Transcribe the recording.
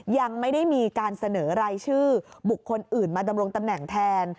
ยังไม่ได้มีการเสนอรายชื่อบุคคลอื่นมาดำรงตำแหน่งแทน